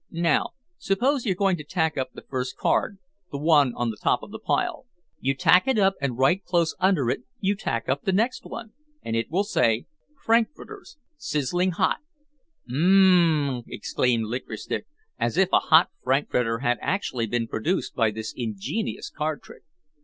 Now, suppose you're going to tack up the first card—the one on the top of the pile. You tack it up and right close under it you tack up the next one, and it will say: FRANKFURTERS SIZZLING HOT ⇾ "Mmm—mm!" exclaimed Licorice Stick, as if a hot frankfurter had actually been produced by this ingenious card trick.